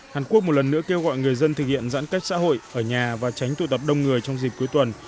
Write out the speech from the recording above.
hàn quốc một lần nữa kêu gọi người dân thực hiện giãn cách xã hội ở nhà và tránh tụ tập đông người trong dịp cuối tuần